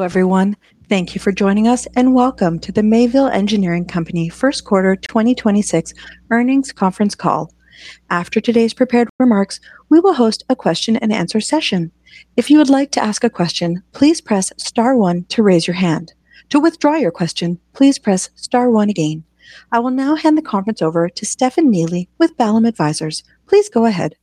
Everyone, thank you for joining us, and welcome to the Mayville Engineering Company first quarter 2026 earnings conference call. After today's prepared remarks, we will host a question and answer session. If you would like to ask a question, please press star one to raise your hand. To withdraw your question, please press star one again. I will now hand the conference over to Stefan Neely with Vallum Advisors. Please go ahead.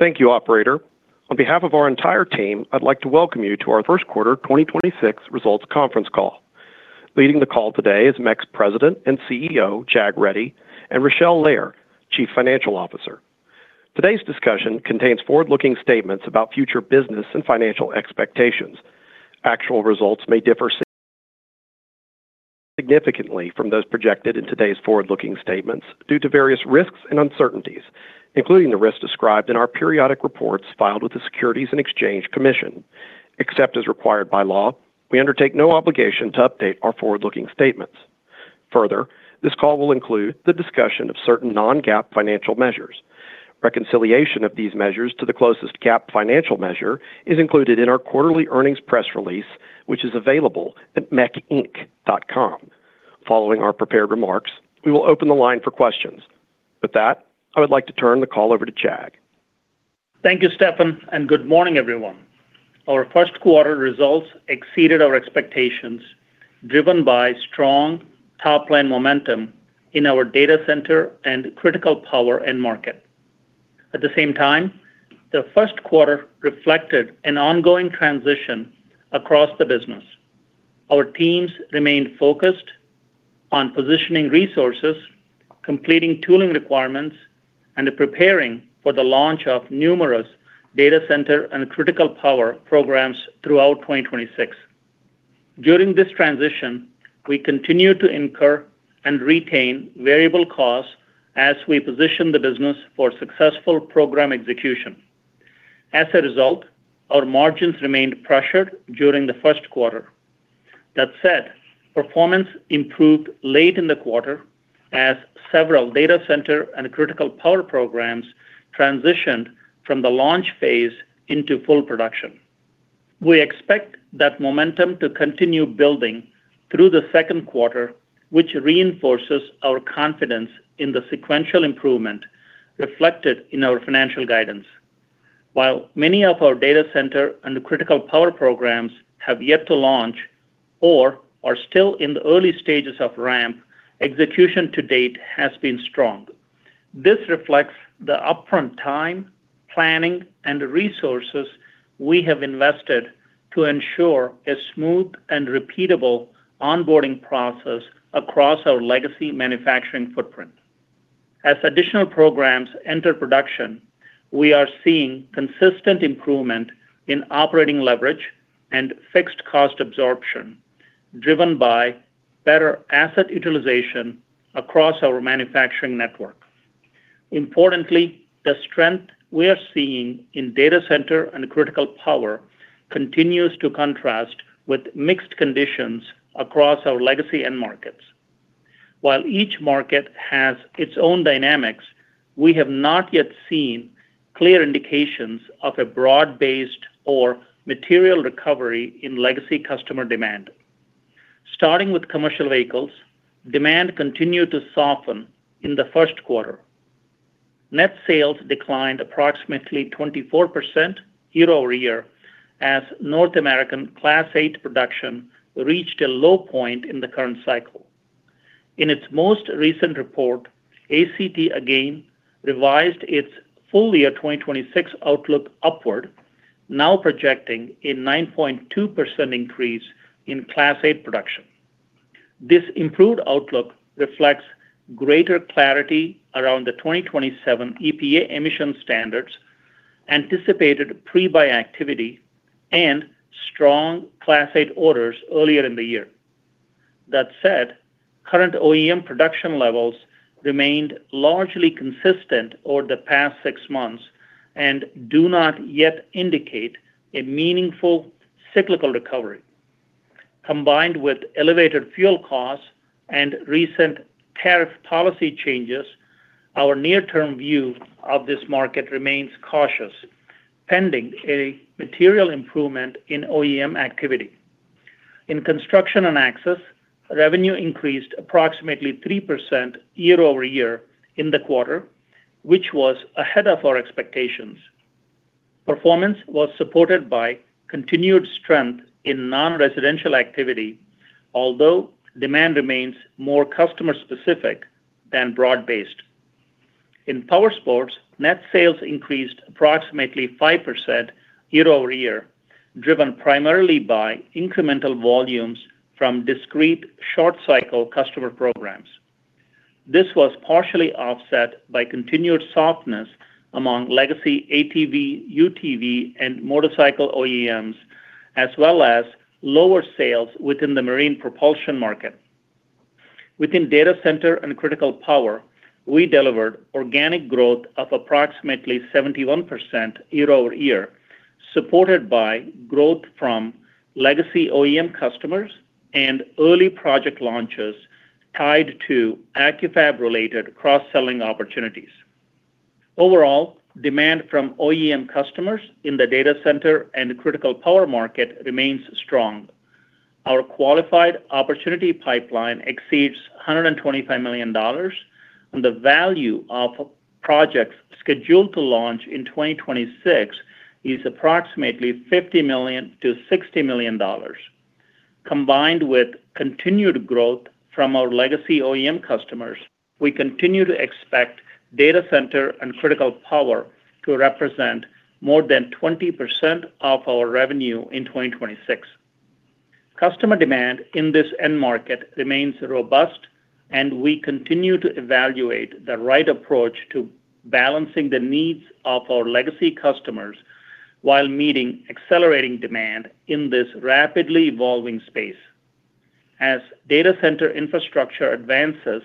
Thank you, operator. On behalf of our entire team, I'd like to welcome you to our first quarter 2026 results conference call. Leading the call today is MEC's President and CEO, Jag Reddy, and Rachele Lehr, Chief Financial Officer. Today's discussion contains forward-looking statements about future business and financial expectations. Actual results may differ significantly from those projected in today's forward-looking statements due to various risks and uncertainties, including the risks described in our periodic reports filed with the Securities and Exchange Commission. Except as required by law, we undertake no obligation to update our forward-looking statements. This call will include the discussion of certain non-GAAP financial measures. Reconciliation of these measures to the closest GAAP financial measure is included in our quarterly earnings press release, which is available at mecinc.com. Following our prepared remarks, we will open the line for questions. With that, I would like to turn the call over to Jag. Thank you, Stefan, and good morning, everyone. Our first quarter results exceeded our expectations, driven by strong top-line momentum in our data center and critical power end market. At the same time, the first quarter reflected an ongoing transition across the business. Our teams remained focused on positioning resources, completing tooling requirements, and preparing for the launch of numerous data center and critical power programs throughout 2026. During this transition, we continued to incur and retain variable costs as we position the business for successful program execution. As a result, our margins remained pressured during the first quarter. That said, performance improved late in the quarter as several data center and critical power programs transitioned from the launch phase into full production. We expect that momentum to continue building through the second quarter, which reinforces our confidence in the sequential improvement reflected in our financial guidance. While many of our data center and critical power programs have yet to launch or are still in the early stages of ramp, execution to date has been strong. This reflects the upfront time, planning, and resources we have invested to ensure a smooth and repeatable onboarding process across our legacy manufacturing footprint. As additional programs enter production, we are seeing consistent improvement in operating leverage and fixed cost absorption, driven by better asset utilization across our manufacturing network. Importantly, the strength we are seeing in data center and critical power continues to contrast with mixed conditions across our legacy end markets. While each market has its own dynamics, we have not yet seen clear indications of a broad-based or material recovery in legacy customer demand. Starting with commercial vehicles, demand continued to soften in the first quarter. Net sales declined approximately 24% year-over-year as North American Class 8 production reached a low point in the current cycle. In its most recent report, ACT again revised its full year 2026 outlook upward, now projecting a 9.2% increase in Class 8 production. This improved outlook reflects greater clarity around the 2027 EPA emission standards, anticipated pre-buy activity, and strong Class 8 orders earlier in the year. That said, current OEM production levels remained largely consistent over the past six months and do not yet indicate a meaningful cyclical recovery. Combined with elevated fuel costs and recent tariff policy changes, our near-term view of this market remains cautious pending a material improvement in OEM activity. In construction and access, revenue increased approximately 3% year-over-year in the quarter, which was ahead of our expectations. Performance was supported by continued strength in non-residential activity, although demand remains more customer-specific than broad-based. In powersports, net sales increased approximately 5% year-over-year, driven primarily by incremental volumes from discrete short cycle customer programs. This was partially offset by continued softness among legacy ATV, UTV, and motorcycle OEMs, as well as lower sales within the marine propulsion market. Within data center and critical power, we delivered organic growth of approximately 71% year-over-year, supported by growth from legacy OEM customers and early project launches tied to Accu-Fab-related cross-selling opportunities. Overall, demand from OEM customers in the data center and critical power market remains strong. Our qualified opportunity pipeline exceeds $125 million, and the value of projects scheduled to launch in 2026 is approximately $50 million-$60 million. Combined with continued growth from our legacy OEM customers, we continue to expect data center and critical power to represent more than 20% of our revenue in 2026. Customer demand in this end market remains robust, and we continue to evaluate the right approach to balancing the needs of our legacy customers while meeting accelerating demand in this rapidly evolving space. As data center infrastructure advances,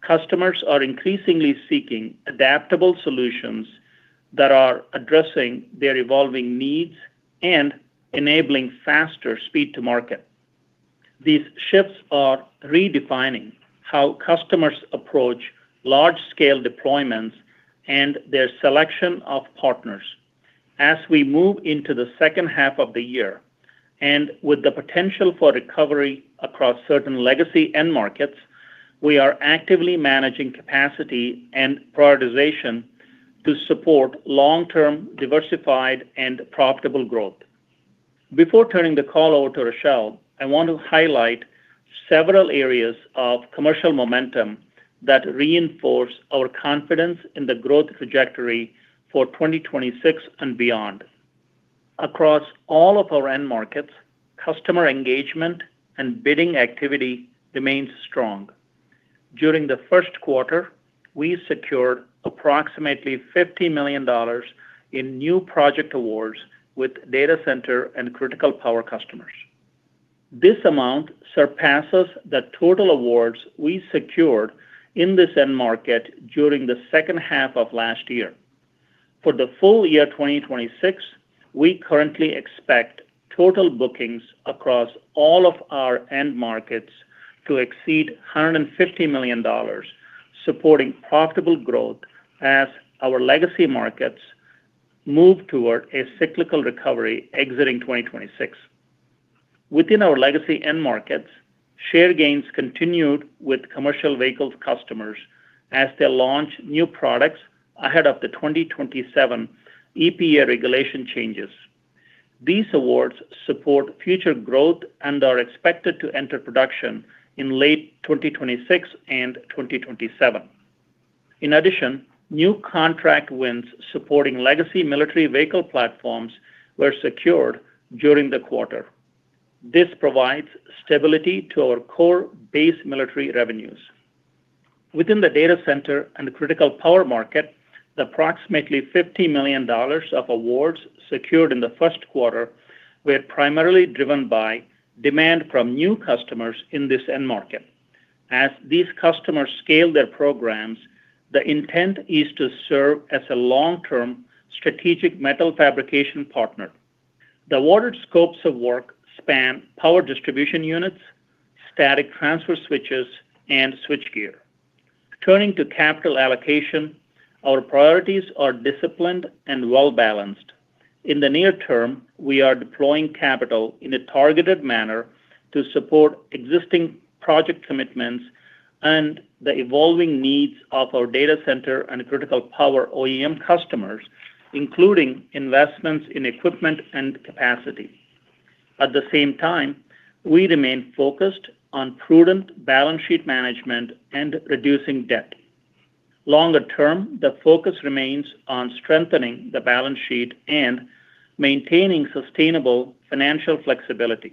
customers are increasingly seeking adaptable solutions that are addressing their evolving needs and enabling faster speed to market. These shifts are redefining how customers approach large-scale deployments and their selection of partners. As we move into the second half of the year, and with the potential for recovery across certain legacy end markets, we are actively managing capacity and prioritization to support long-term, diversified, and profitable growth. Before turning the call over to Rachele, I want to highlight several areas of commercial momentum that reinforce our confidence in the growth trajectory for 2026 and beyond. Across all of our end markets, customer engagement and bidding activity remains strong. During the first quarter, we secured approximately $50 million in new project awards with data center and critical power customers. This amount surpasses the total awards we secured in this end market during the second half of last year. For the full year 2026, we currently expect total bookings across all of our end markets to exceed $150 million, supporting profitable growth as our legacy markets move toward a cyclical recovery exiting 2026. Within our legacy end markets, share gains continued with commercial vehicles customers as they launch new products ahead of the 2027 EPA regulation changes. These awards support future growth and are expected to enter production in late 2026 and 2027. In addition, new contract wins supporting legacy military vehicle platforms were secured during the quarter. This provides stability to our core base military revenues. Within the data center and the critical power market, the approximately $50 million of awards secured in the first quarter were primarily driven by demand from new customers in this end market. As these customers scale their programs, the intent is to serve as a long-term strategic metal fabrication partner. The awarded scopes of work span power distribution units, static transfer switches, and switchgear. Turning to capital allocation, our priorities are disciplined and well-balanced. In the near term, we are deploying capital in a targeted manner to support existing project commitments and the evolving needs of our data center and critical power OEM customers, including investments in equipment and capacity. At the same time, we remain focused on prudent balance sheet management and reducing debt. Longer term, the focus remains on strengthening the balance sheet and maintaining sustainable financial flexibility.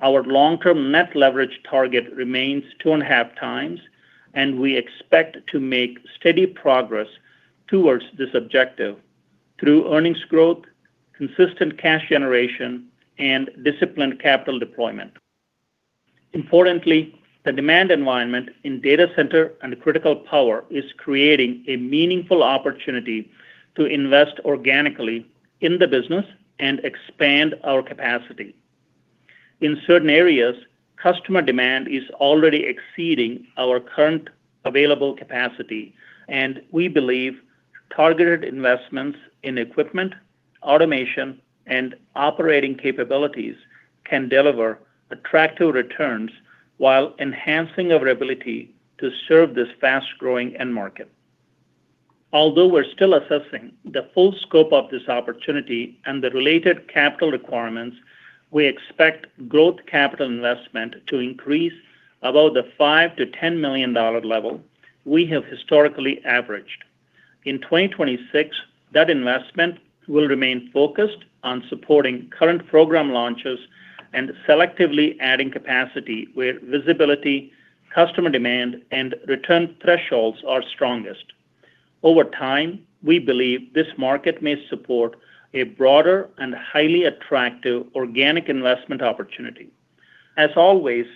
Our long-term net leverage target remains 2.5x, and we expect to make steady progress towards this objective through earnings growth, consistent cash generation, and disciplined capital deployment. Importantly, the demand environment in data center and critical power is creating a meaningful opportunity to invest organically in the business and expand our capacity. In certain areas, customer demand is already exceeding our current available capacity, and we believe targeted investments in equipment, automation, and operating capabilities can deliver attractive returns while enhancing our ability to serve this fast-growing end market. Although we're still assessing the full scope of this opportunity and the related capital requirements, we expect growth capital investment to increase above the $5 million-$10 million level we have historically averaged. In 2026, that investment will remain focused on supporting current program launches and selectively adding capacity where visibility, customer demand, and return thresholds are strongest. Over time, we believe this market may support a broader and highly attractive organic investment opportunity. As always,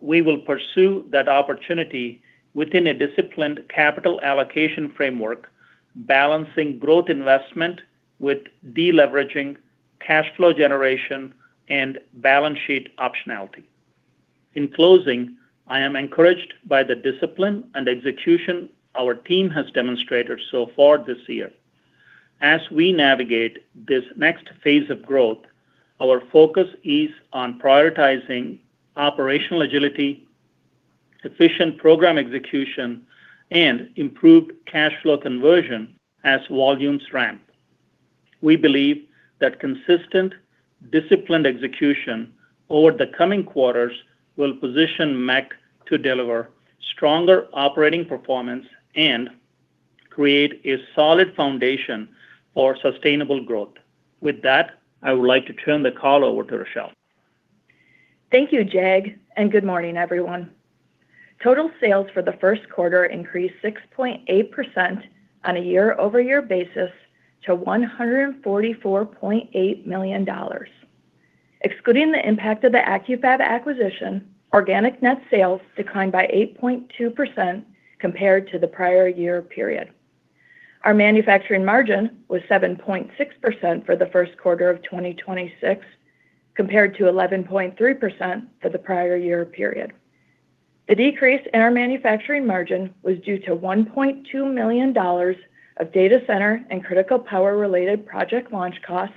we will pursue that opportunity within a disciplined capital allocation framework, balancing growth investment with deleveraging, cash flow generation, and balance sheet optionality. In closing, I am encouraged by the discipline and execution our team has demonstrated so far this year. As we navigate this next phase of growth, our focus is on prioritizing operational agility, efficient program execution, and improved cash flow conversion as volumes ramp. We believe that consistent, disciplined execution over the coming quarters will position MEC to deliver stronger operating performance and create a solid foundation for sustainable growth. With that, I would like to turn the call over to Rachele Lehr. Thank you, Jag, and good morning, everyone. Total sales for the first quarter increased 6.8% on a year-over-year basis to $144.8 million. Excluding the impact of the Accu-Fab acquisition, organic net sales declined by 8.2% compared to the prior year period. Our manufacturing margin was 7.6% for the first quarter of 2026, compared to 11.3% for the prior year period. The decrease in our manufacturing margin was due to $1.2 million of data center and critical power-related project launch costs,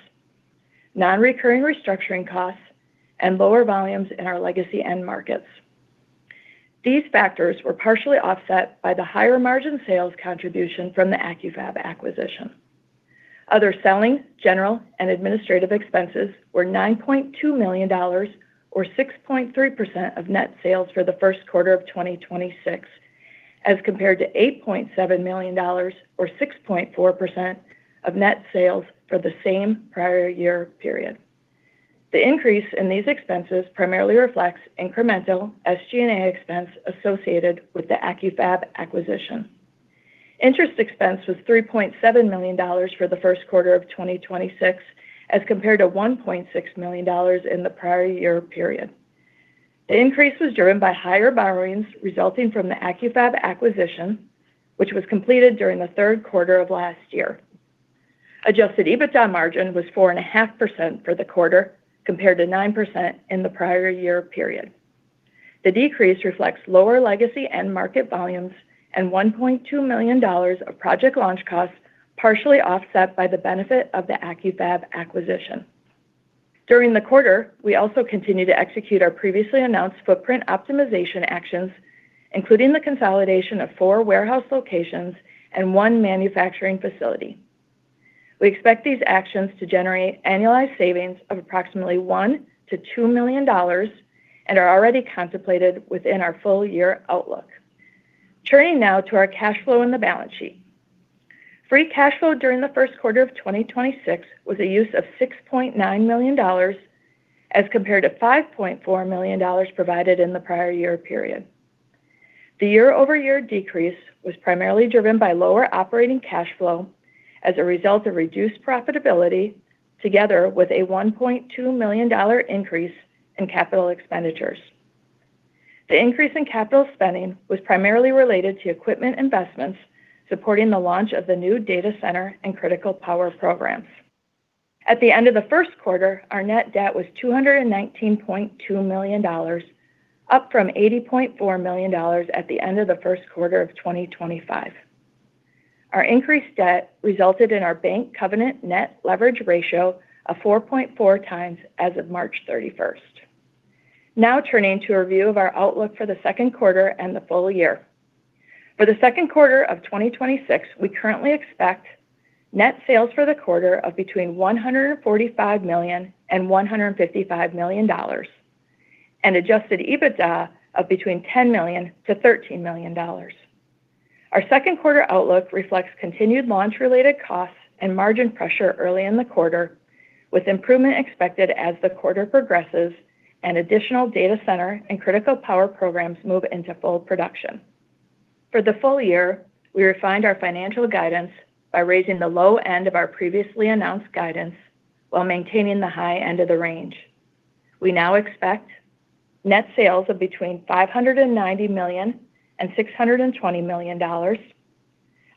non-recurring restructuring costs, and lower volumes in our legacy end markets. These factors were partially offset by the higher margin sales contribution from the Accu-Fab acquisition. Other selling, general, and administrative expenses were $9.2 million or 6.3% of net sales for the first quarter of 2026, as compared to $8.7 million or 6.4% of net sales for the same prior year period. The increase in these expenses primarily reflects incremental SG&A expense associated with the Accu-Fab acquisition. Interest expense was $3.7 million for the first quarter of 2026, as compared to $1.6 million in the prior year period. The increase was driven by higher borrowings resulting from the Accu-Fab acquisition, which was completed during the third quarter of last year. Adjusted EBITDA margin was 4.5% for the quarter, compared to 9% in the prior year period. The decrease reflects lower legacy end market volumes and $1.2 million of project launch costs, partially offset by the benefit of the Accu-Fab acquisition. During the quarter, we also continued to execute our previously announced footprint optimization actions, including the consolidation of four warehouse locations and one manufacturing facility. We expect these actions to generate annualized savings of approximately $1 million-$2 million and are already contemplated within our full year outlook. Turning now to our cash flow and the balance sheet. Free cash flow during the first quarter of 2026 was a use of $6.9 million as compared to $5.4 million provided in the prior year period. The year-over-year decrease was primarily driven by lower operating cash flow as a result of reduced profitability together with a $1.2 million increase in capital expenditures. The increase in capital spending was primarily related to equipment investments supporting the launch of the new data center and critical power programs. At the end of the first quarter, our net debt was $219.2 million, up from $80.4 million at the end of the first quarter of 2025. Our increased debt resulted in our bank covenant net leverage ratio of 4.4 times as of March 31st. Now turning to a review of our outlook for the second quarter and the full year. For the second quarter of 2026, we currently expect net sales for the quarter of between $145 million and $155 million and adjusted EBITDA of between $10 million to $13 million. Our second quarter outlook reflects continued launch-related costs and margin pressure early in the quarter, with improvement expected as the quarter progresses and additional data center and critical power programs move into full production. For the full year, we refined our financial guidance by raising the low end of our previously announced guidance while maintaining the high end of the range. We now expect net sales of between $590 million and $620 million,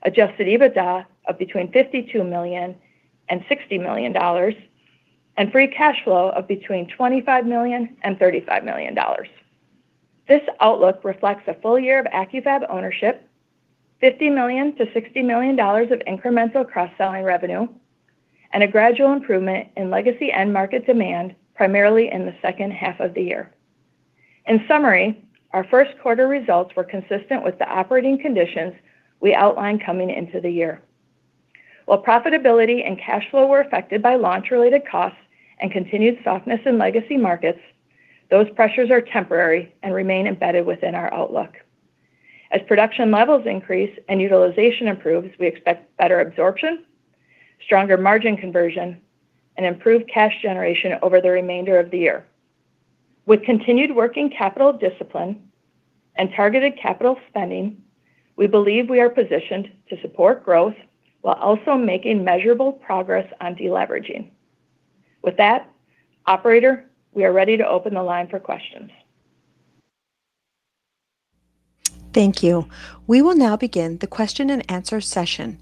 adjusted EBITDA of between $52 million and $60 million, and free cash flow of between $25 million and $35 million. This outlook reflects a full year of Accu-Fab ownership, $50 million-$60 million of incremental cross-selling revenue, and a gradual improvement in legacy end market demand, primarily in the second half of the year. In summary, our first quarter results were consistent with the operating conditions we outlined coming into the year. While profitability and cash flow were affected by launch-related costs and continued softness in legacy markets, those pressures are temporary and remain embedded within our outlook. As production levels increase and utilization improves, we expect better absorption, stronger margin conversion, and improved cash generation over the remainder of the year. With continued working capital discipline and targeted capital spending, we believe we are positioned to support growth while also making measurable progress on deleveraging. With that, operator, we are ready to open the line for questions. Thank you. We will now begin the question and answer session.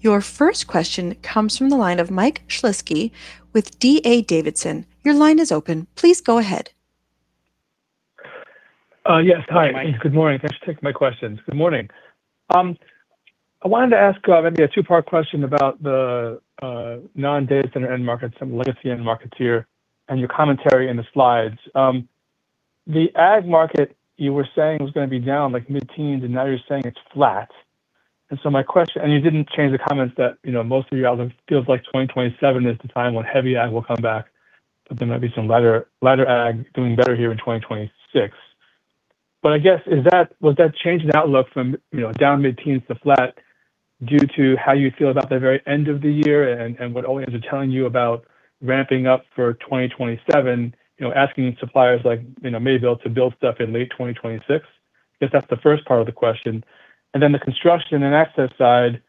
Your first question comes from the line of Michael Shlisky with D.A. Davidson. Your line is open. Please go ahead. Yes. Hi. Hi, Michael. Good morning. Thanks for taking my questions. Good morning. I wanted to ask, maybe a two-part question about the non-data center end markets and legacy end markets here and your commentary in the slides. The ag market you were saying was gonna be down like mid-teens, and now you're saying it's flat. You didn't change the comments that, you know, most of you out there feels like 2027 is the time when heavy ag will come back. There might be some lighter ag doing better here in 2026. I guess, was that change in outlook from, you know, down mid-teens to flat due to how you feel about the very end of the year and what OEMs are telling you about ramping up for 2027, you know, asking suppliers like, you know, Mayville to build stuff in late 2026? Guess that's the first part of the question. Then the construction and access side,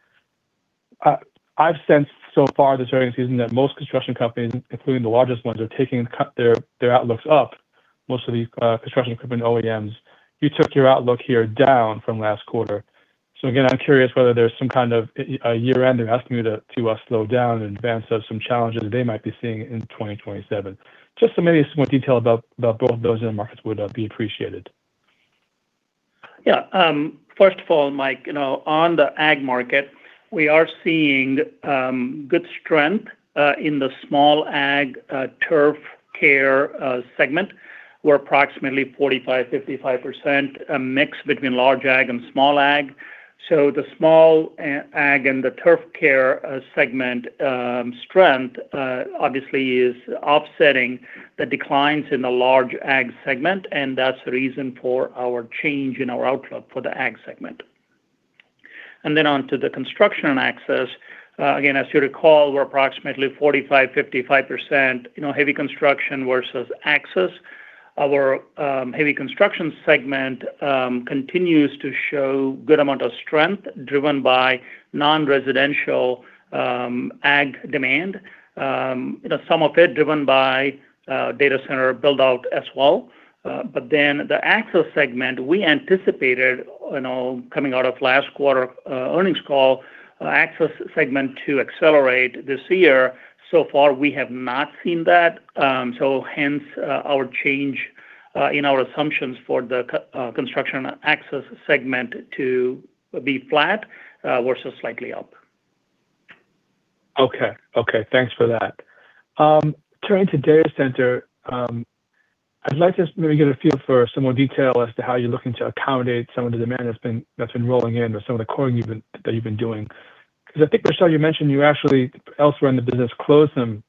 I've sensed so far this earnings season that most construction companies, including the largest ones, are taking their outlooks up, most of these construction equipment OEMs. You took your outlook here down from last quarter. Again, I'm curious whether there's some kind of a year-end they're asking you to slow down in advance of some challenges they might be seeing in 2027. Maybe some more detail about both those end markets would be appreciated. First of all, Mike, you know, on the ag market, we are seeing good strength in the small ag, turf care segment. We're approximately 45%-55% a mix between large ag and small ag. The small ag and the turf care segment strength obviously is offsetting the declines in the large ag segment, and that's the reason for our change in our outlook for the ag segment. Then onto the construction and access. Again, as you recall, we're approximately 45%-55%, you know, heavy construction versus access. Our heavy construction segment continues to show good amount of strength driven by non-residential, ag demand, you know, some of it driven by data center build-out as well. The access segment, we anticipated, you know, coming out of last quarter earnings call, access segment to accelerate this year. So far, we have not seen that, so hence, our change in our assumptions for the construction and access segment to be flat versus slightly up. Okay. Okay, thanks for that. Turning to data center, I'd like to maybe get a feel for some more detail as to how you're looking to accommodate some of the demand that's been rolling in or some of the quoting that you've been doing. 'Cause I think, Rachele Lehr, you mentioned you actually elsewhere in the business closed some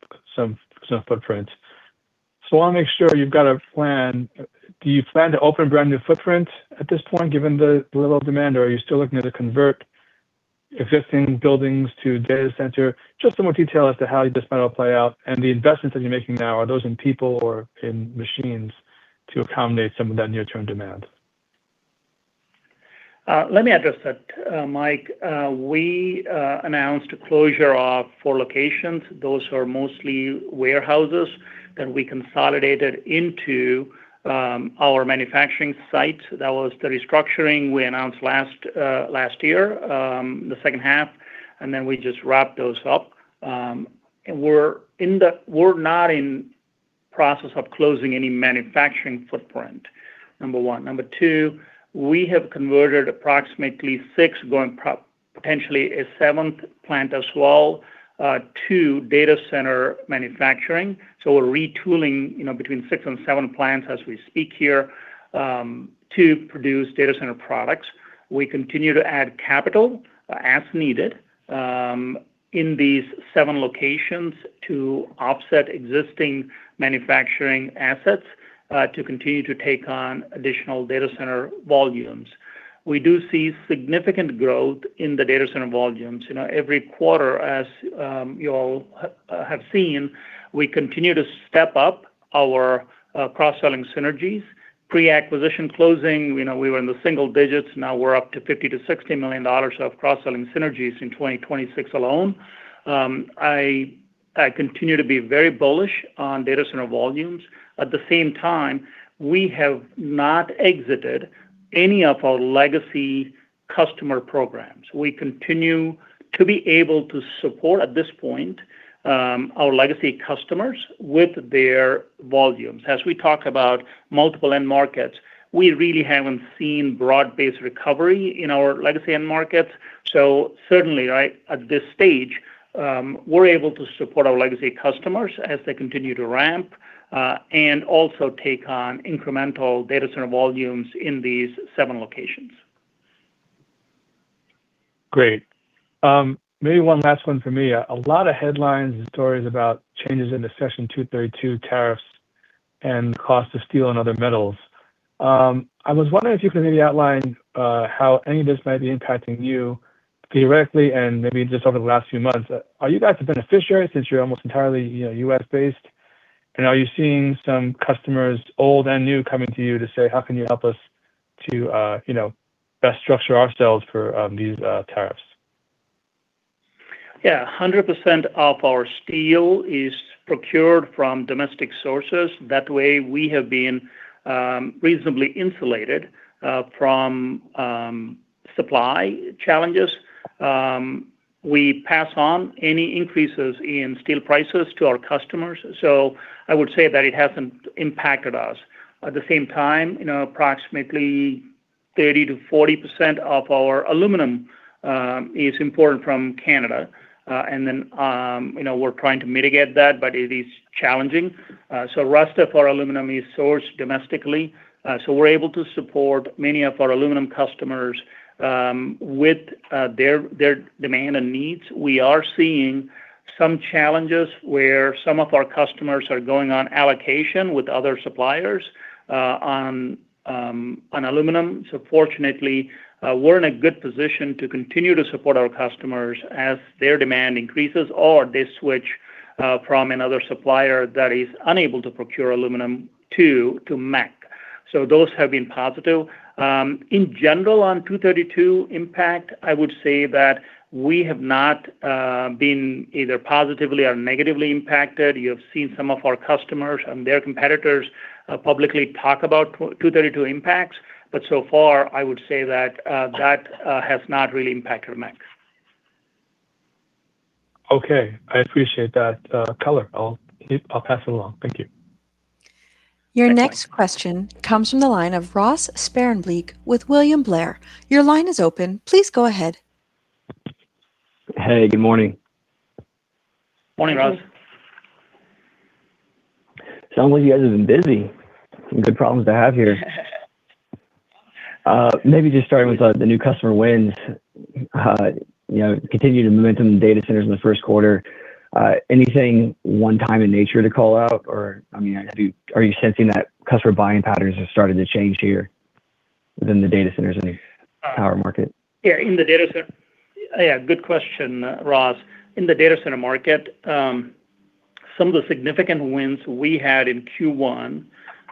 footprints. I wanna make sure you've got a plan. Do you plan to open brand new footprint at this point, given the little demand, or are you still looking to convert existing buildings to data center? Just some more detail as to how this might all play out and the investments that you're making now, are those in people or in machines to accommodate some of that near-term demand? Let me address that, Mike. We announced a closure of four locations. Those are mostly warehouses that we consolidated into our manufacturing site. That was the restructuring we announced last year, the second half, and then we just wrapped those up. We're not in process of closing any manufacturing footprint, number one. Number two, we have converted approximately six, potentially a 7th plant as well, to data center manufacturing. We're retooling, you know, between six and seven plants as we speak here, to produce data center products. We continue to add capital as needed in these even locations to offset existing manufacturing assets, to continue to take on additional data center volumes. We do see significant growth in the data center volumes. You know, every quarter as you all have seen, we continue to step up our cross-selling synergies. You know, pre-acquisition closing, we were in the single digits, now we're up to $50 million-$60 million of cross-selling synergies in 2026 alone. I continue to be very bullish on data center volumes. At the same time, we have not exited any of our legacy customer programs. We continue to be able to support at this point our legacy customers with their volumes. As we talk about multiple end markets, we really haven't seen broad-based recovery in our legacy end markets. Certainly, right, at this stage, we're able to support our legacy customers as they continue to ramp and also take on incremental data center volumes in these seven locations. Great. Maybe one last one from me. A lot of headlines and stories about changes in the Section 232 tariffs and cost of steel and other metals. I was wondering if you could maybe outline how any of this might be impacting you theoretically and maybe just over the last few months. Are you guys a beneficiary since you're almost entirely, you know, U.S.-based? Are you seeing some customers, old and new, coming to you to say, "How can you help us to, you know, best structure ourselves for these tariffs?" Yeah. 100% of our steel is procured from domestic sources. That way we have been reasonably insulated from supply challenges. We pass on any increases in steel prices to our customers. I would say that it hasn't impacted us. At the same time, you know, approximately 30%-40% of our aluminum is imported from Canada. You know, we're trying to mitigate that, but it is challenging. Rest of our aluminum is sourced domestically. We're able to support many of our aluminum customers with their demand and needs. We are seeing some challenges where some of our customers are going on allocation with other suppliers on aluminum. Fortunately, we're in a good position to continue to support our customers as their demand increases or they switch from another supplier that is unable to procure aluminum to MEC. Those have been positive. In general, on Section 232 impact, I would say that we have not been either positively or negatively impacted. You have seen some of our customers and their competitors publicly talk about Section 232 impacts. So far, I would say that that has not really impacted MEC. Okay. I appreciate that color. I'll pass it along. Thank you. Your next question comes from the line of Ross Sparenblek with William Blair. Your line is open. Please go ahead. Hey, good morning. Morning, Ross. Sounds like you guys have been busy. Some good problems to have here. Maybe just starting with the new customer wins. You know, continued momentum in data centers in the first quarter. Anything one time in nature to call out or, I mean, are you sensing that customer buying patterns have started to change here within the data centers in the power market? Yeah, good question, Ross. In the data center market, some of the significant wins we had in Q1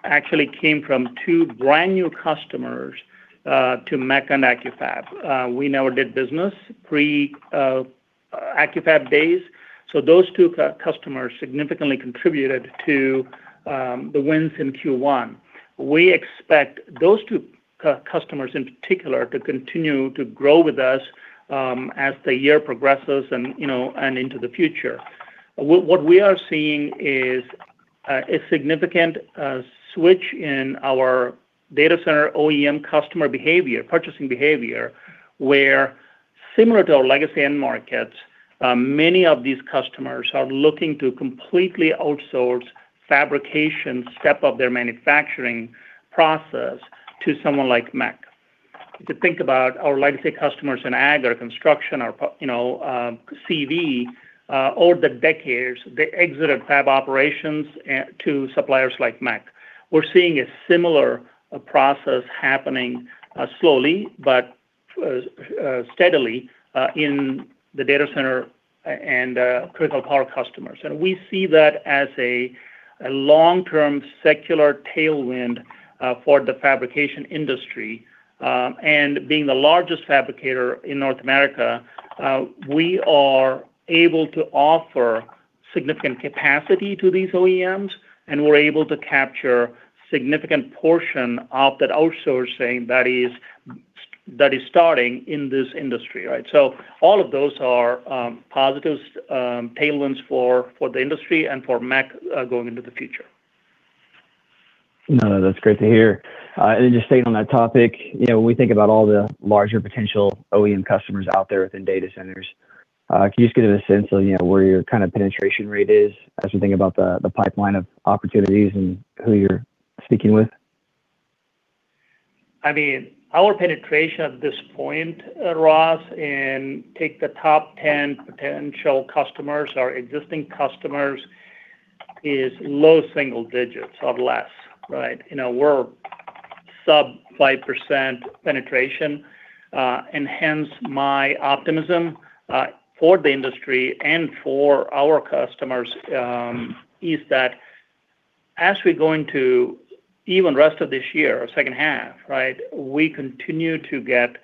actually came from two brand-new customers to MEC and Accu-Fab. We never did business pre Accu-Fab days. Those two customers significantly contributed to the wins in Q1. We expect those two customers in particular to continue to grow with us as the year progresses and, you know, and into the future. What we are seeing is a significant switch in our data center OEM customer behavior, purchasing behavior, where similar to our legacy end markets, many of these customers are looking to completely outsource fabrication step of their manufacturing process to someone like MEC. If you think about our legacy customers in ag or construction or you know, CV, over the decades, they exited fab operations to suppliers like MEC. We're seeing a similar process happening slowly but steadily in the data center and critical power customers. We see that as a long-term secular tailwind for the fabrication industry. Being the largest fabricator in North America, we are able to offer significant capacity to these OEMs, and we're able to capture significant portion of that outsourcing that is starting in this industry, right? All of those are positive tailwinds for the industry and for MEC going into the future. No, that's great to hear. Just staying on that topic, you know, when we think about all the larger potential OEM customers out there within data centers, can you just give us a sense of, you know, where your kind of penetration rate is as you think about the pipeline of opportunities and who you're speaking with? I mean, our penetration at this point, Ross Sparenblek, and take the top 10 potential customers or existing customers, is low single digits or less, right? You know, we're sub 5% penetration. Hence my optimism for the industry and for our customers, is that as we go into even rest of this year or second half, right, we continue to get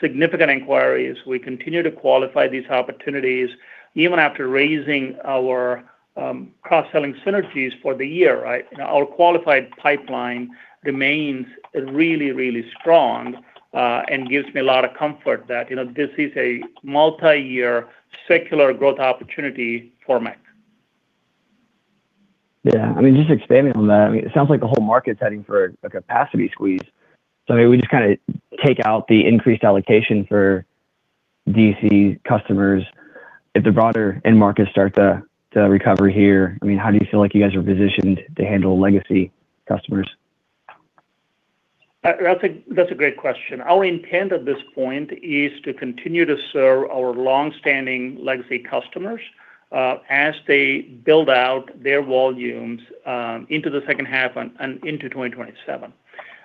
significant inquiries. We continue to qualify these opportunities even after raising our cross-selling synergies for the year, right? Our qualified pipeline remains really, really strong, and gives me a lot of comfort that, you know, this is a multi-year secular growth opportunity for MEC. Yeah, I mean, just expanding on that. I mean, it sounds like the whole market's heading for a capacity squeeze. I mean, we just kinda take out the increased allocation for DC customers if the broader end markets start to recover here. I mean, how do you feel like you guys are positioned to handle legacy customers? That's a great question. Our intent at this point is to continue to serve our long-standing legacy customers as they build out their volumes into the second half and into 2027.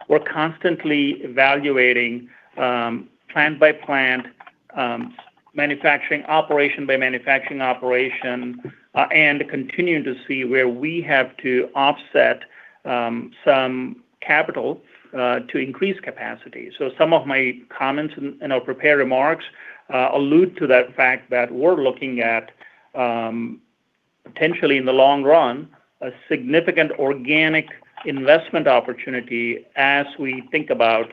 We're constantly evaluating plant by plant, manufacturing operation by manufacturing operation, and continuing to see where we have to offset some capital to increase capacity. Some of my comments in our prepared remarks allude to that fact that we're looking at potentially in the long run, a significant organic investment opportunity as we think about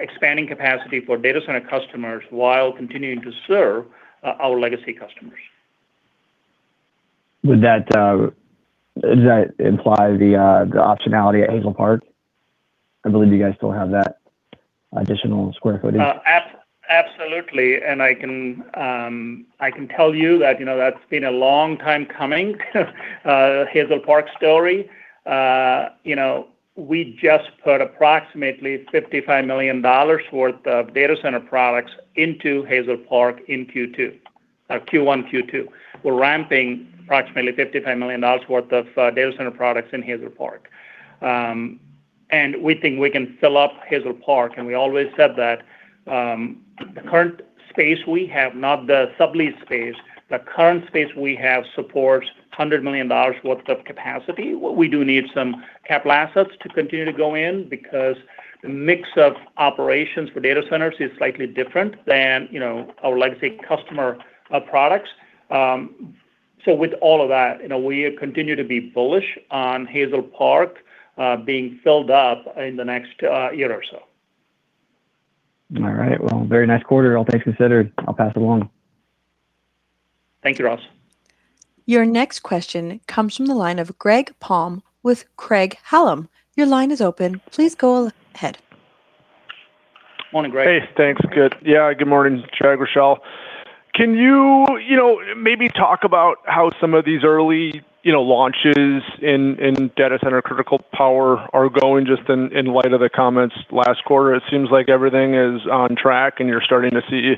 expanding capacity for data center customers while continuing to serve our legacy customers. Would that, does that imply the optionality at Hazel Park? I believe you guys still have that additional square footage. Absolutely. I can tell you that, you know, that's been a long time coming, Hazel Park story. You know, we just put approximately $55 million worth of data center products into Hazel Park in Q1, Q2. We're ramping approximately $55 million worth of data center products in Hazel Park. We think we can fill up Hazel Park, and we always said that, the current space we have, not the subleased space, the current space we have supports $100 million worth of capacity. What we do need some capital assets to continue to go in because the mix of operations for data centers is slightly different than, you know, our legacy customer products. With all of that, you know, we continue to be bullish on Hazel Park, being filled up in the next, year or so. All right. Well, very nice quarter, all things considered. I'll pass it along. Thank you, Ross. Your next question comes from the line of Greg Palm with Craig-Hallum. Your line is open. Please go ahead. Morning, Greg. Hey, thanks. Good. Yeah, good morning. Jag, Rachele. Can you know, maybe talk about how some of these early, you know, launches in data center critical power are going just in light of the comments last quarter? It seems like everything is on track, and you're starting to see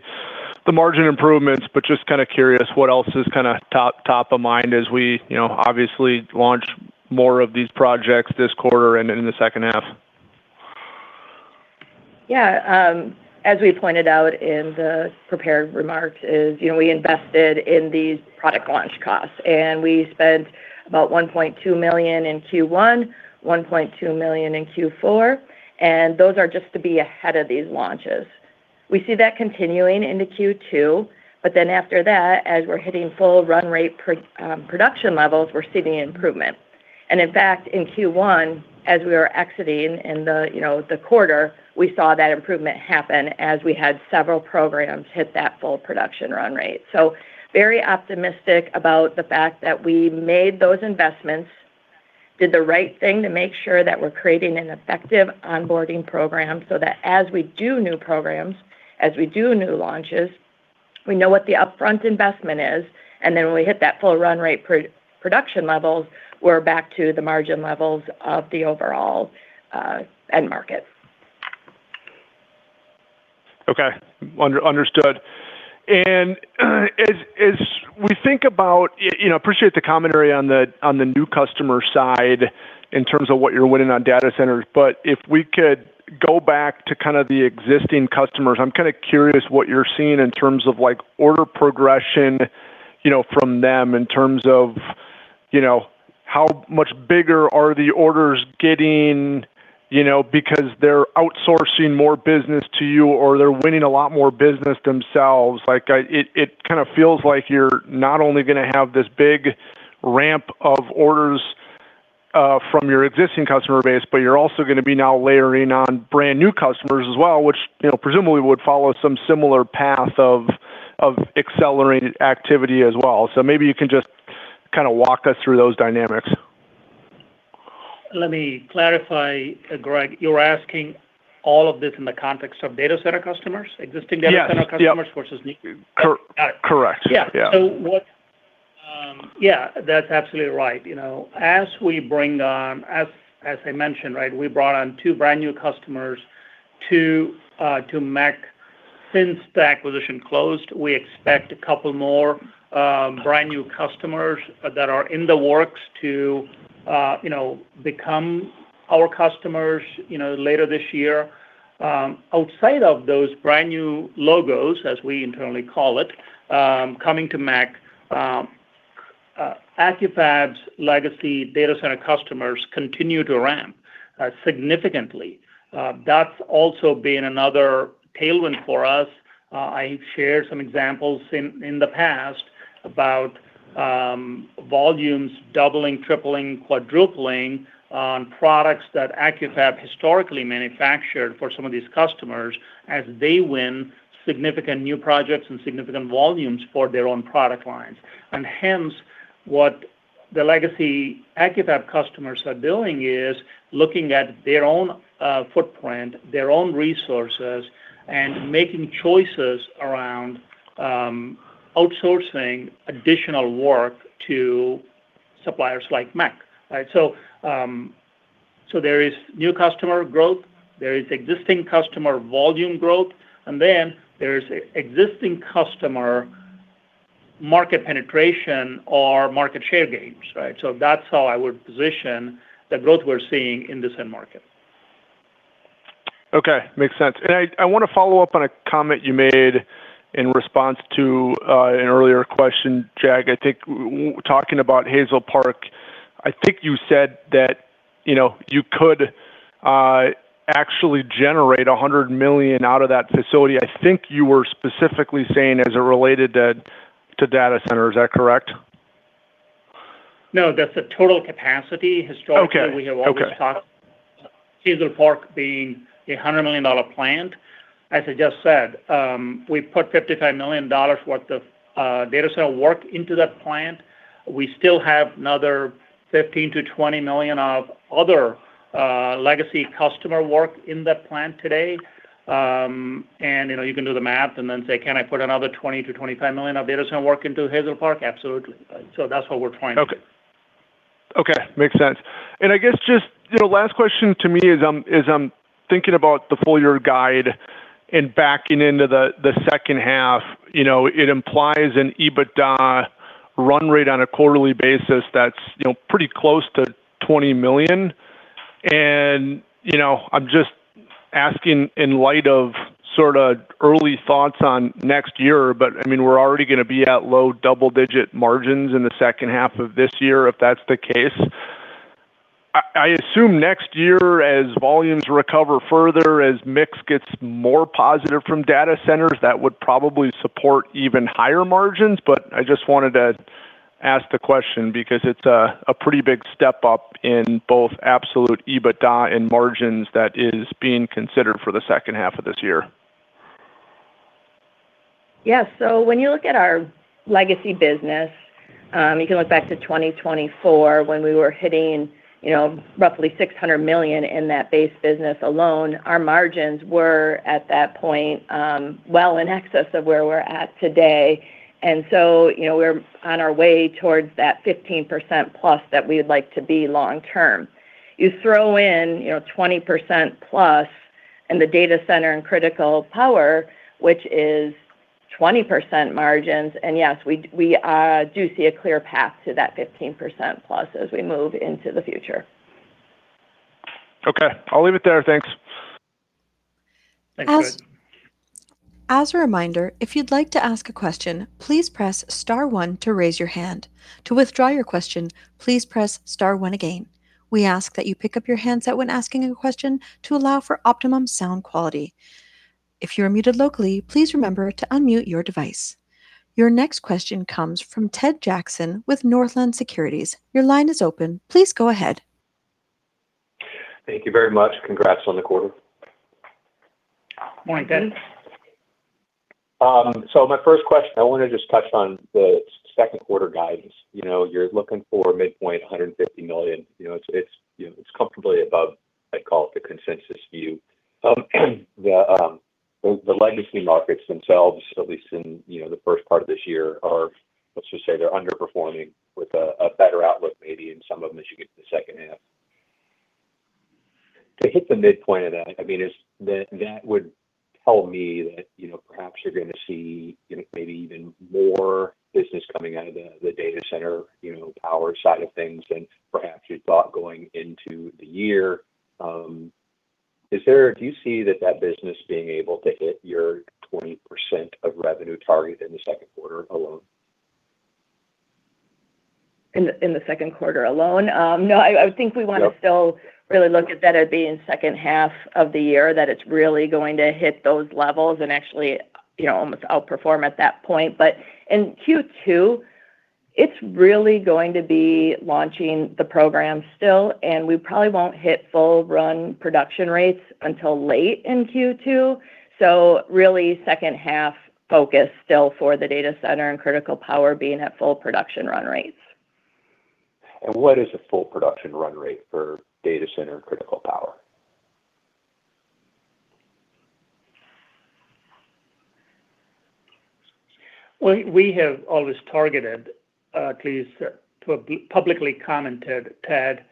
the margin improvements, but just kinda curious what else is kinda top of mind as we, you know, obviously launch more of these projects this quarter and in the second half. As we pointed out in the prepared remarks is, you know, we invested in these product launch costs, we spent about $1.2 million in Q1, $1.2 million in Q4, those are just to be ahead of these launches. We see that continuing into Q2. After that, as we're hitting full run rate production levels, we're seeing improvement. In fact, in Q1, as we were exiting in the, you know, the quarter, we saw that improvement happen as we had several programs hit that full production run rate. Very optimistic about the fact that we made those investments, did the right thing to make sure that we're creating an effective onboarding program so that as we do new programs, as we do new launches, we know what the upfront investment is, and then when we hit that full run rate pro-production levels, we're back to the margin levels of the overall end market. Okay. Understood. As we think about, you know, appreciate the commentary on the new customer side in terms of what you're winning on data centers. If we could go back to kind of the existing customers, I'm kinda curious what you're seeing in terms of, like, order progression, you know, from them in terms of, you know, how much bigger are the orders getting, you know, because they're outsourcing more business to you, or they're winning a lot more business themselves. It kinda feels like you're not only gonna have this big ramp of orders from your existing customer base, but you're also gonna be now layering on brand new customers as well, which, you know, presumably would follow some similar path of accelerated activity as well. Maybe you can just kinda walk us through those dynamics. Let me clarify, Greg. You're asking all of this in the context of data center customers? Yes. Yep. versus new? Cor-correct. Yeah. Yeah. Yeah, that's absolutely right. You know, as I mentioned, right, we brought on two brand new customers to MEC since the acquisition closed. We expect a couple more brand new customers that are in the works to, you know, become our customers, you know, later this year. Outside of those brand new logos, as we internally call it, coming to MEC, Accu-Fab's legacy data center customers continue to ramp significantly. That's also been another tailwind for us. I shared some examples in the past about volumes doubling, tripling, quadrupling on products that Accu-Fab historically manufactured for some of these customers as they win significant new projects and significant volumes for their own product lines. Hence, the legacy Accu-Fab customers are doing is looking at their own footprint, their own resources, and making choices around outsourcing additional work to suppliers like MEC, right? There is new customer growth, there is existing customer volume growth, and then there is existing customer market penetration or market share gains, right? That's how I would position the growth we're seeing in this end market. Okay. Makes sense. I wanna follow up on a comment you made in response to an earlier question, Jag. I think talking about Hazel Park, I think you said that, you know, you could actually generate $100 million out of that facility. I think you were specifically saying as it related to data center. Is that correct? No, that's the total capacity. Okay. We have always talked Hazel Park being a $100 million plant. As I just said, we put $55 million worth of data center work into that plant. We still have another $15 million-$20 million of other legacy customer work in that plant today. You know, you can do the math and then say, "Can I put another $20 million-$25 million of data center work into Hazel Park?" Absolutely. That's what we're trying to do. Okay. Okay. Makes sense. I guess just, you know, last question to me is, I'm thinking about the full year guide and backing into the second half. You know, it implies an EBITDA run rate on a quarterly basis that's, you know, pretty close to $20 million. You know, I'm just asking in light of sorta early thoughts on next year, but I mean, we're already gonna be at low double-digit margins in the second half of this year if that's the case. I assume next year as volumes recover further, as mix gets more positive from data centers, that would probably support even higher margins. I just wanted to ask the question because it's a pretty big step up in both absolute EBITDA and margins that is being considered for the second half of this year. Yeah. When you look at our legacy business, you can look back to 2024 when we were hitting, you know, roughly $600 million in that base business alone. Our margins were at that point, well in excess of where we're at today. You know, we're on our way towards that 15%+ that we would like to be long term. You throw in, you know, 20%+ in the data center and critical power, which is 20% margins, and yes, we do see a clear path to that 15%+ as we move into the future. Okay. I'll leave it there. Thanks. Thanks, Greg. As a reminder, if you'd like to ask a question, please press star one to raise your hand. To withdraw your question, please press star one again. We ask that you pick up your handset when asking a question to allow for optimum sound quality. If you're muted locally, please remember to unmute your device. Your next question comes from Ted Jackson with Northland Securities. Your line is open. Please go ahead. Thank you very much. Congrats on the quarter. Morning, Ted. My first question, I want to just touch on the second quarter guidance. You know, you're looking for midpoint $150 million. You know, it's, you know, it's comfortably above, I would call it, the consensus view. The, the legacy markets themselves, at least in, you know, the first part of this year are let's just say they're underperforming with a better outlook maybe in some of them as you get to the second half. To hit the midpoint of that, I mean, that would tell me that, you know, perhaps you're going to see, you know, maybe even more business coming out of the data center, you know, power side of things than perhaps you had thought going into the year. Do you see that that business being able to hit your 20% of revenue target in the second quarter alone? In the second quarter alone? No, I think we wanna. Yep Really look at that at being second half of the year that it's really going to hit those levels and actually, you know, almost outperform at that point. In Q2, it's really going to be launching the program still, and we probably won't hit full run production rates until late in Q2. Really second half focus still for the data center and critical power being at full production run rates. What is a full production run rate for data center and critical power? Well, we have always targeted, at least publicly commented, Ted,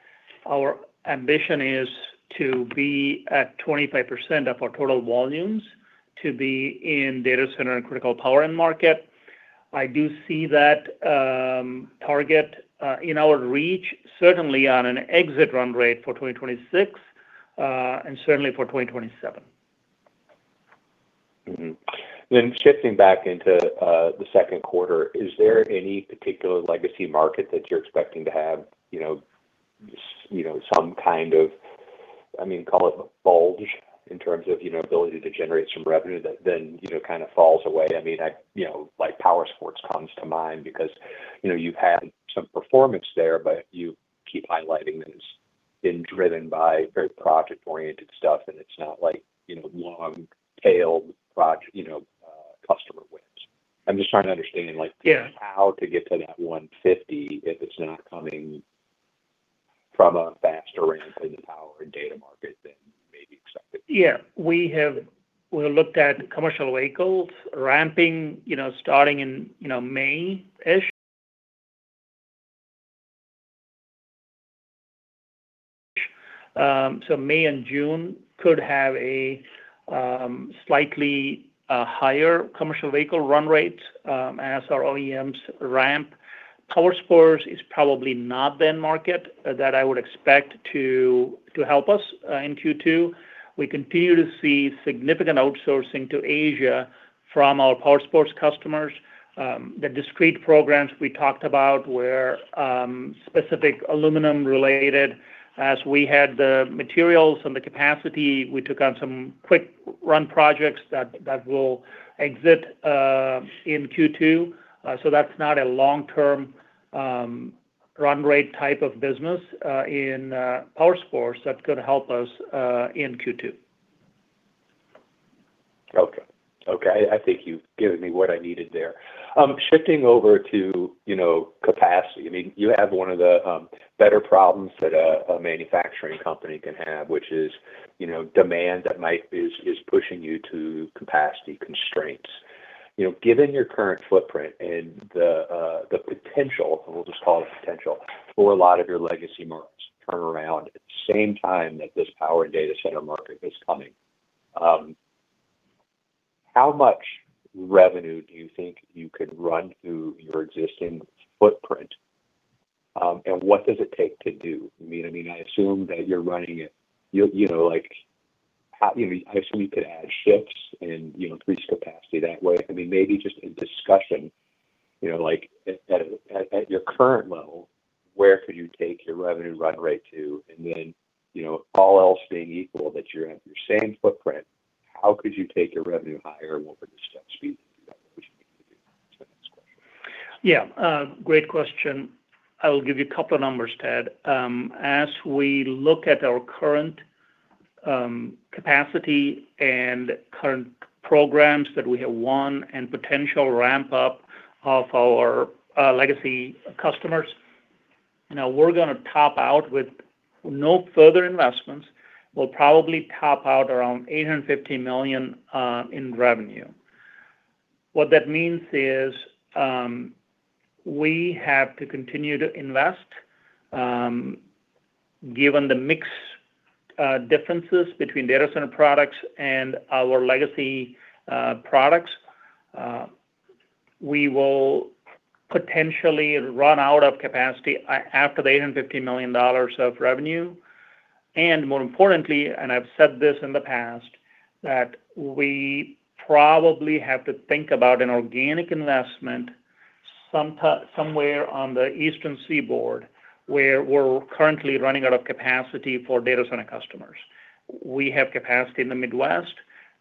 our ambition is to be at 25% of our total volumes to be in data center and critical power end market. I do see that target in our reach certainly on an exit run rate for 2026, and certainly for 2027. Shifting back into the second quarter, is there any particular legacy market that you're expecting to have, you know, some kind of, I mean, call it a bulge in terms of, you know, ability to generate some revenue that then, you know, kinda falls away? I mean, I, you know, like powersports comes to mind because, you know, you've had some performance there, but you keep highlighting that it's been driven by very project-oriented stuff and it's not like, you know, long tail. I'm just trying to understand, like- Yeah -how to get to that $150 if it's not coming from a faster ramp in the power and data market than maybe expected. Yeah. We looked at commercial vehicles ramping, you know, starting in, you know, May-ish. May and June could have a slightly higher commercial vehicle run rate as our OEMs ramp. Powersports is probably not the end market that I would expect to help us in Q2. We continue to see significant outsourcing to Asia from our powersports customers. The discrete programs we talked about were specific aluminum related. As we had the materials and the capacity, we took on some quick run projects that will exit in Q2. That's not a long-term run rate type of business in Powersports that could help us in Q2. Okay. Okay. I think you've given me what I needed there. Shifting over to, you know, capacity. I mean, you have one of the better problems that a manufacturing company can have, which is, you know, demand that is pushing you to capacity constraints. You know, given your current footprint and the potential, we'll just call it potential, for a lot of your legacy markets to turn around at the same time that this power and data center market is coming, how much revenue do you think you could run through your existing footprint, and what does it take to do? I mean, I assume that you're running at, you know, like, You know, I assume you could add shifts and, you know, increase capacity that way. I mean, maybe just a discussion, you know, like at your current level, where could you take your revenue run rate to? You know, all else being equal, that you have your same footprint, how could you take your revenue higher and what would the steps be to do that? What would you need to do? That's the next question. Yeah. Great question. I will give you a couple of numbers, Ted. As we look at our current capacity and current programs that we have won and potential ramp up of our legacy customers, you know, we're gonna top out with no further investments. We'll probably top out around $850 million in revenue. What that means is, we have to continue to invest. Given the mix differences between data center products and our legacy products, we will potentially run out of capacity after the $850 million of revenue. More importantly, and I've said this in the past, that we probably have to think about an organic investment somewhere on the eastern seaboard, where we're currently running out of capacity for data center customers. We have capacity in the Midwest,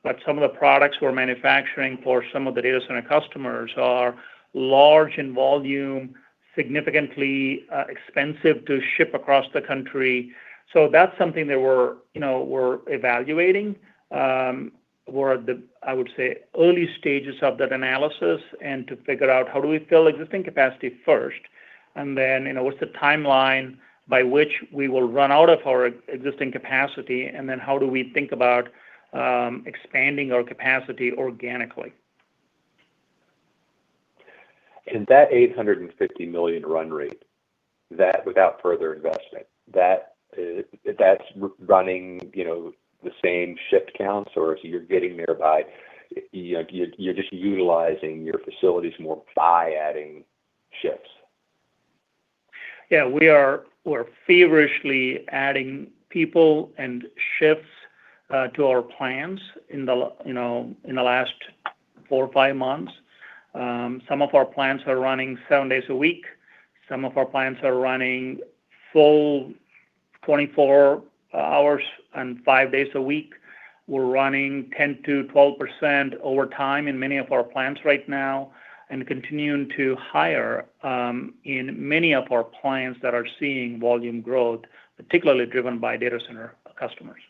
but some of the products we're manufacturing for some of the data center customers are large in volume, significantly expensive to ship across the country. That's something that we're, you know, we're evaluating. We're at the, I would say, early stages of that analysis and to figure out how do we fill existing capacity first, and then, you know, what's the timeline by which we will run out of our existing capacity, and then how do we think about expanding our capacity organically. That $850 million run rate, that without further investment, that's running, you know, the same shift counts, or you're getting there by, you know, you're just utilizing your facilities more by adding shifts? Yeah. We're feverishly adding people and shifts to our plans, you know, in the last four or five months. Some of our plants are running seven days a week. Some of our plants are running full 24 hours and five days a week. We're running 10%-12% over time in many of our plants right now and continuing to hire in many of our plants that are seeing volume growth, particularly driven by data center customers.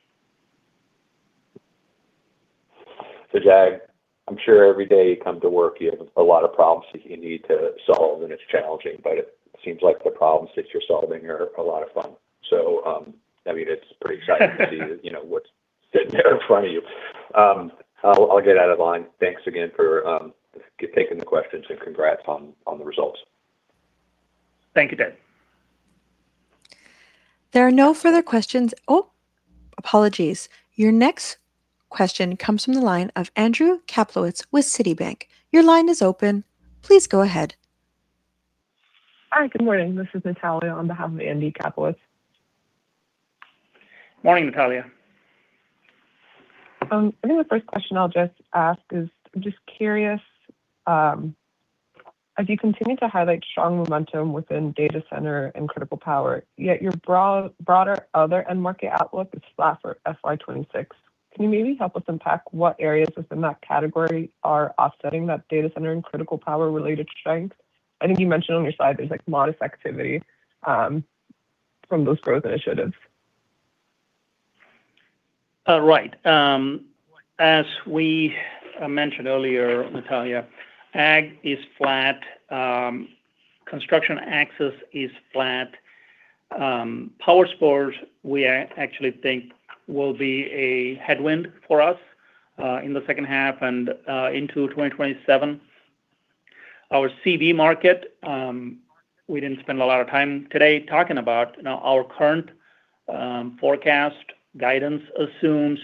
Jag, I'm sure every day you come to work, you have a lot of problems that you need to solve, and it's challenging, but it seems like the problems that you're solving are a lot of fun. I mean, it's pretty exciting to see, you know, what's sitting there in front of you. I'll get out of line. Thanks again for taking the questions and congrats on the results. Thank you, Ted. There are no further questions. Oh, apologies. Your next question comes from the line of Andrew Kaplowitz with Citibank. Your line is open. Please go ahead. Hi. Good morning. This is Natalia on behalf of Andy Kaplowitz. Morning, Natalia. I think the first question I'll just ask is, I'm just curious, as you continue to highlight strong momentum within data center and critical power, yet your broad, broader other end market outlook is flat for FY 2026, can you maybe help us unpack what areas within that category are offsetting that data center and critical power-related strength? I think you mentioned on your side there's modest activity from those growth initiatives. Right. As we mentioned earlier, Natalia, ag is flat. Construction access is flat. Powersports, we actually think will be a headwind for us in the second half and into 2027. Our CV market, we didn't spend a lot of time today talking about. You know, our current forecast guidance assumes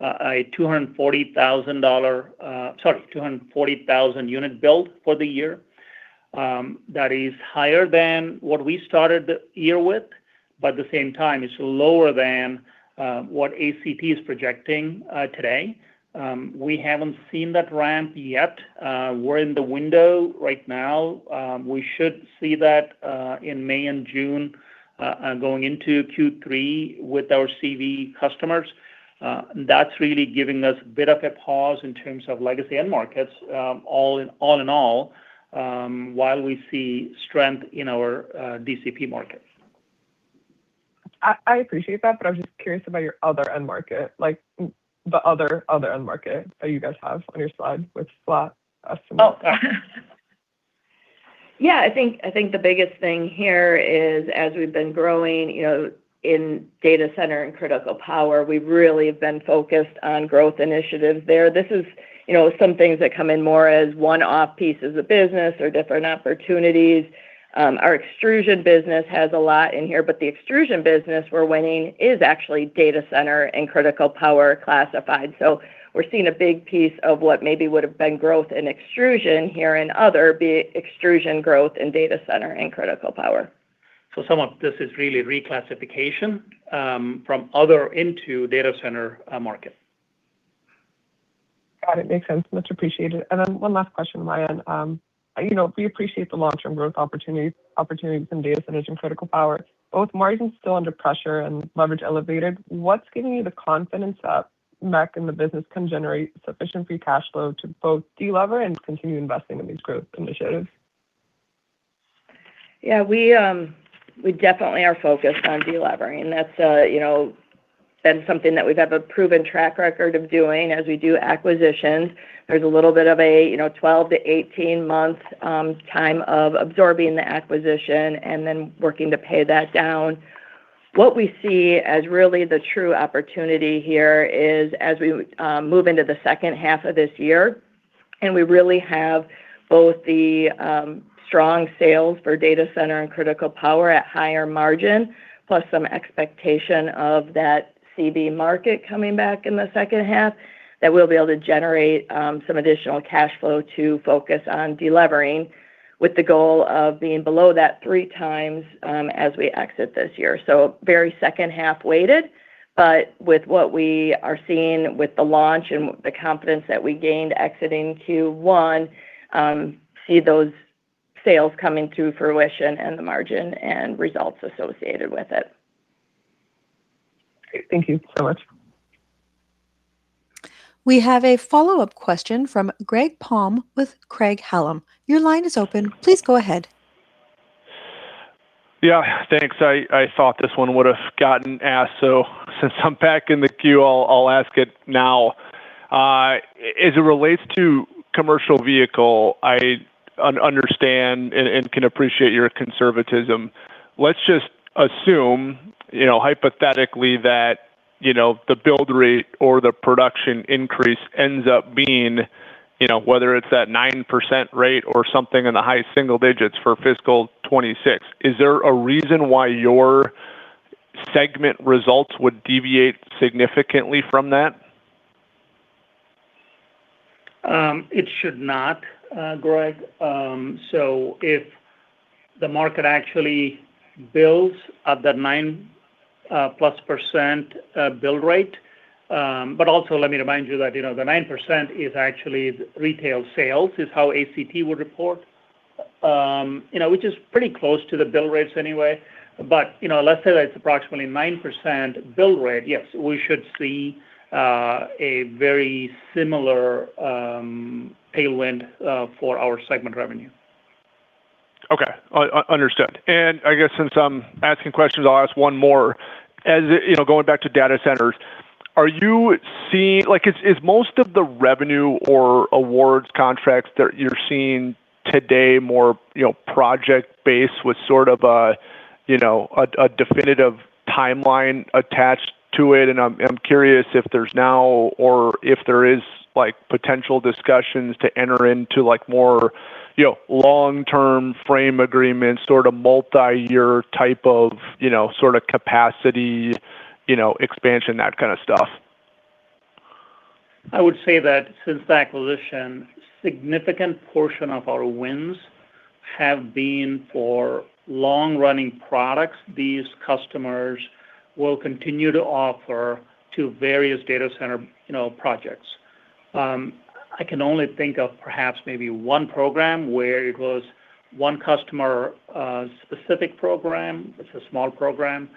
a 240,000 unit build for the year. That is higher than what we started the year with, but at the same time, it's lower than what ACT is projecting today. We haven't seen that ramp yet. We're in the window right now. We should see that in May and June going into Q3 with our CV customers. That's really giving us a bit of a pause in terms of legacy end markets, all in all, while we see strength in our DCP markets. I appreciate that, but I'm just curious about your other end market, like the other end market that you guys have on your slide, which is flat, similar. Oh. Yeah, I think the biggest thing here is as we've been growing, you know, in data center and critical power, we really have been focused on growth initiatives there. This is, you know, some things that come in more as one-off pieces of business or different opportunities. Our extrusion business has a lot in here, but the extrusion business we're winning is actually data center and critical power classified. We're seeing a big piece of what maybe would've been growth in extrusion here and other be extrusion growth in data center and critical power. Some of this is really reclassification from other into data center market. Got it. Makes sense. Much appreciated. One last question on my end. You know, we appreciate the long-term growth opportunities in data center and critical power. With margins still under pressure and leverage elevated, what's giving you the confidence that MEC and the business can generate sufficient free cash flow to both delever and continue investing in these growth initiatives? Yeah. We definitely are focused on delevering. That's, you know, been something that we've have a proven track record of doing as we do acquisitions. There's a little bit of a, you know, 12 to 18 month time of absorbing the acquisition and then working to pay that down. What we see as really the true opportunity here is as we move into the second half of this year, and we really have both the strong sales for data center and critical power at higher margin, plus some expectation of that CV market coming back in the second half, that we'll be able to generate some additional cash flow to focus on delevering with the goal of being below that three times as we exit this year. Very second half weighted, but with what we are seeing with the launch and the confidence that we gained exiting Q1, see those sales coming to fruition and the margin and results associated with it. Great. Thank you so much. We have a follow-up question from Greg Palm with Craig-Hallum. Your line is open. Please go ahead. Yeah. Thanks. I thought this one would've gotten asked, so since I'm back in the queue, I'll ask it now. As it relates to commercial vehicle, I understand and can appreciate your conservatism. Let's just assume, you know, hypothetically that, you know, the build rate or the production increase ends up being, you know, whether it's that 9% rate or something in the high single digits for fiscal 2026. Is there a reason why your segment results would deviate significantly from that? It should not, Greg. If the market actually builds at that 9%+ build rate Also let me remind you that, you know, the 9% is actually retail sales, is how ACT would report. You know, which is pretty close to the build rates anyway. You know, let's say that it's approximately 9% build rate, yes, we should see a very similar tailwind for our segment revenue. Okay. Understood. I guess since I'm asking questions, I'll ask one more. As, you know, going back to data centers, are you seeing... Like, is most of the revenue or awards contracts that you're seeing today more, you know, project based with sort of a definitive timeline attached to it? I'm curious if there's now or if there is, like, potential discussions to enter into, like, more, you know, long-term frame agreements, sort of multi-year type of, you know, sort of capacity, you know, expansion, that kind of stuff. I would say that since the acquisition, significant portion of our wins have been for long-running products these customers will continue to offer to various data center, you know, projects. I can only think of perhaps maybe one program where it was one customer, specific program. It's a small program.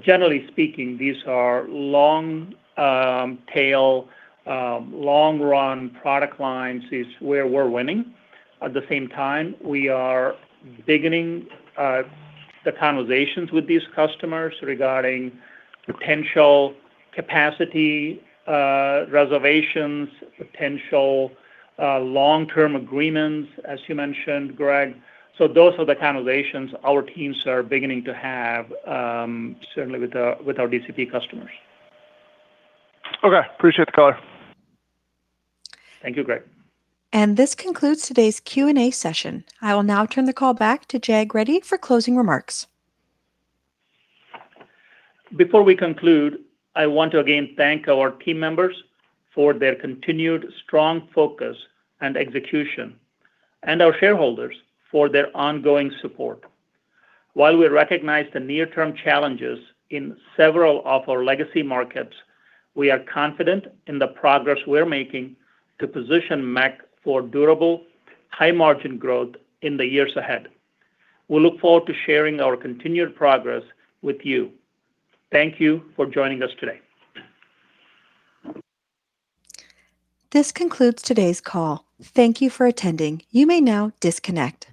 Generally speaking, these are long, tail, long-run product lines is where we're winning. At the same time, we are beginning the conversations with these customers regarding potential capacity, reservations, potential long-term agreements, as you mentioned, Greg. Those are the conversations our teams are beginning to have, certainly with our DCP customers. Okay. Appreciate the color. Thank you, Greg. This concludes today's Q&A session. I will now turn the call back to Jag Reddy for closing remarks. Before we conclude, I want to again thank our team members for their continued strong focus and execution and our shareholders for their ongoing support. While we recognize the near-term challenges in several of our legacy markets, we are confident in the progress we're making to position MEC for durable high margin growth in the years ahead. We look forward to sharing our continued progress with you. Thank you for joining us today. This concludes today's call. Thank you for attending. You may now disconnect.